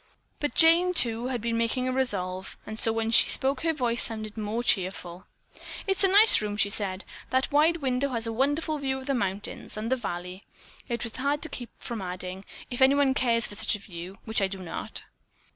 But Jane, too, had been making a resolve, and so when she spoke her voice sounded more cheerful. "It is a nice room," she said. "That wide window has a wonderful view of the mountains and the valley." It was hard to keep from adding, "If anyone cares for such a view, which I do not."